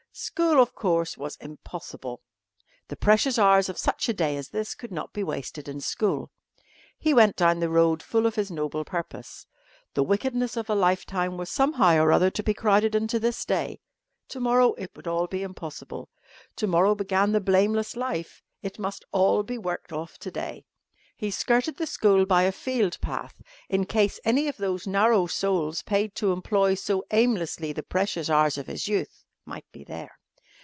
School, of course, was impossible. The precious hours of such a day as this could not be wasted in school. He went down the road full of his noble purpose. The wickedness of a lifetime was somehow or other to be crowded into this day. To morrow it would all be impossible. To morrow began the blameless life. It must all be worked off to day. He skirted the school by a field path in case any of those narrow souls paid to employ so aimlessly the precious hours of his youth might be there.